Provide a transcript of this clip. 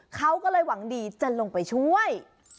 เขาก็เลยหวังดีจะลงไปช่วย